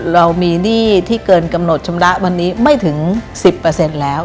เรามีหนี้ที่เกินกำหนดชำระวันนี้ไม่ถึง๑๐แล้ว